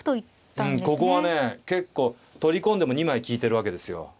うんここはね結構取り込んでも２枚利いてるわけですよ。